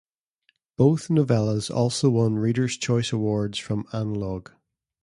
Both novellas also won reader's choice awards from "Analog".